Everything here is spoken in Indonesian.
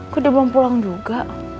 aku udah belum pulang juga